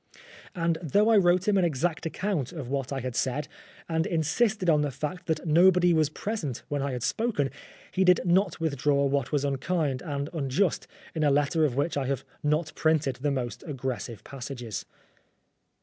And though I wrote him an exact account of 251 Oscar Wilde what I had said, and insisted on the fact that nobody was present when I had spoken, he did not withdraw what was unkind and un just in a letter of which I have not printed the most aggressive passages.